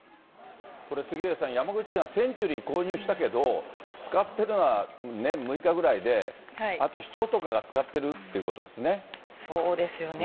これ、杉上さん、山口県は、センチュリー購入したけど、使ってるのは年６日ぐらいで、あとは市長とかが使ってるということでそうですよね。